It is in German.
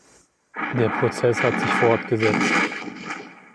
Der Prozess hat sich fortgesetzt.